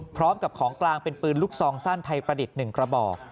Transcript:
พร้อมกับของกลางเป็นปืนลูกซองสั้นไทยประดิษฐ์๑กระบอก